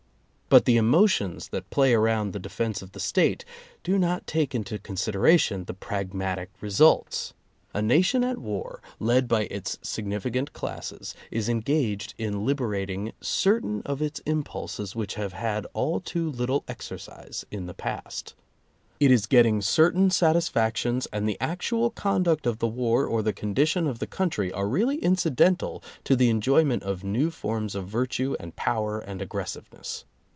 But the emotions that play around the defense of the State do not take into consideration the pragmatic results. A nation at war, led by its significant classes, is engaged in liberating certain of its impulses which have had all too little exer cise in the past. It is getting certain satisfactions and the actual conduct of the war or the condition of the country are really incidental to the enjoy ment of new forms of virtue and power and aggressiveness.